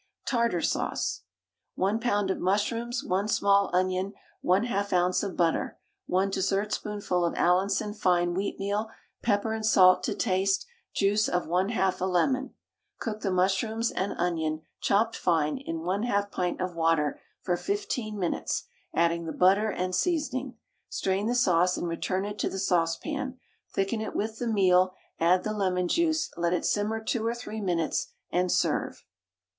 TARTARE SAUCE. 1 lb. of mushrooms, 1 small onion, 1/2 oz. of butter, 1 dessertspoonful of Allinson fine wheatmeal, pepper and salt to taste, juice of 1/2 a lemon. Cook the mushrooms and onion, chopped fine, in 1/2 pint of water for 15 minutes; adding the butter and seasoning. Strain the sauce and return it to the saucepan, thicken it with the meal, add the lemon juice, let it simmer 2 or 3 minutes, and serve.